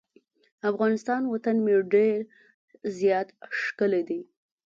افغانستان وطن مې ډیر زیات ښکلی دی.